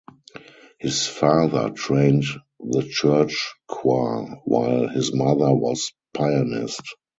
His father trained the Church choir while his mother was pianist.